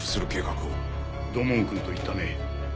土門くんと言ったね。